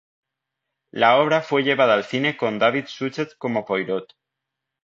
La obra fue llevada al cine con David Suchet como Poirot.